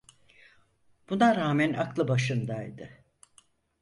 Buna rağmen aklı başındaydı.